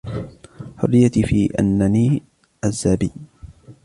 حريَّتي في أنَّني عزَّابي.